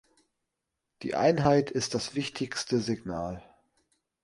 Die Einheit ist das wichtigste Signal.